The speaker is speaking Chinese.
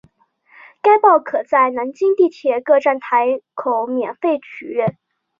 该报可在南京地铁各站台口免费取阅。